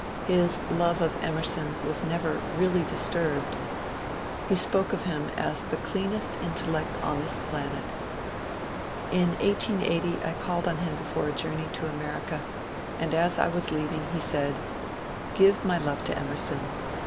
His love of Emerson was never really disturbed ; be spoke of him as the ^^ cleanest intellect in this planet." In 1880 I called on him before a journey to America, and as I was leaving he said, ^'Give my love to Emerson.